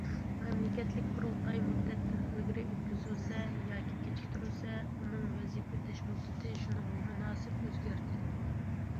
مەملىكەتلىك قۇرۇلتاي مۇددەتتىن ئىلگىرى ئۆتكۈزۈلسە ياكى كېچىكتۈرۈلسە، ئۇنىڭ ۋەزىپە ئۆتەش مۇددىتى شۇنىڭغا مۇناسىپ ئۆزگەرتىلىدۇ.